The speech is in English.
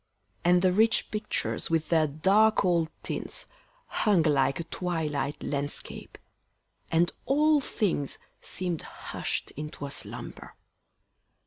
And the rich pictures with their dark old tints Hung like a twilight landscape, and all things Seem'd hush'd into a slumber.